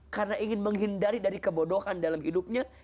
karena ingin menghindari dari kebodohan dalam hidupnya